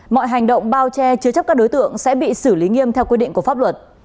mọi hành động bao che chứa chấp các đối tượng sẽ bị xử lý nghiêm theo quy định của pháp luật